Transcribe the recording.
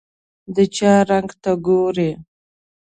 د چای رنګ ته ګوري.